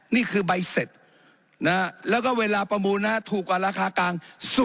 นี่คือใบเสร็จแล้วก็เวลาประมูลถูกกว่าราคากลาง